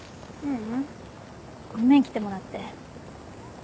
ううんごめん来てもらって。